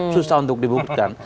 susah untuk dibuktikan